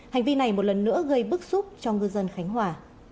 hành vi này một lần nữa gây bức xúc cho ngư dân khánh hòa